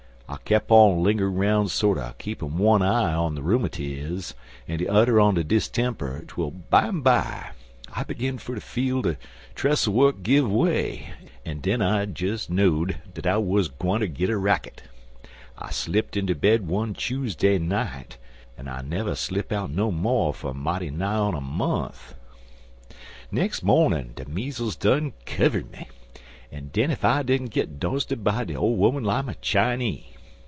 I kep' on linger'n' 'roun' sorter keepin' one eye on the rheumatiz an' de udder on de distemper, twel, bimeby, I begin fer ter feel de trestle wuk give way, an' den I des know'd dat I wuz gwineter gitter racket. I slipt inter bed one Chuseday night, an' I never slip out no mo' fer mighty nigh er mont'. "Nex' mornin' de meezles 'd done kivered me, an' den ef I didn't git dosted by de ole 'oman I'm a Chinee.